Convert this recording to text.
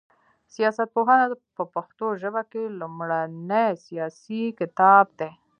سياست پوهنه په پښتو ژبه کي لومړنی سياسي کتاب دی